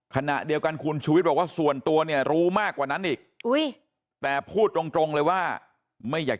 ขณะเดียวกันคุณชูวิทย์บอกว่าส่วนตัวเนี่ยรู้มากกว่านั้นอีกแต่พูดตรงเลยว่าไม่อยาก